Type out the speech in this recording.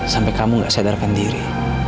sampai kamu gak sadarkan diri